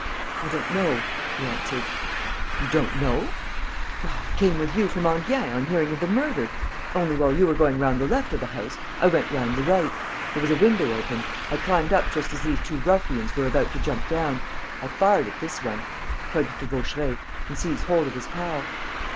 "I don't know," he answered. "You don't know?..." "Why, I came with you from Enghien, on hearing of the murder! Only, while you were going round the left of the house, I went round the right. There was a window open. I climbed up just as these two ruffians were about to jump down. I fired at this one," pointing to Vaucheray, "and seized hold of his pal."